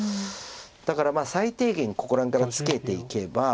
だから最低限ここら辺からツケていけば。